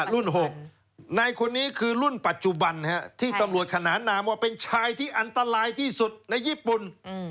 ๖นายคนนี้คือรุ่นปัจจุบันที่ตำรวจขนานนามว่าเป็นชายที่อันตรายที่สุดในญี่ปุ่น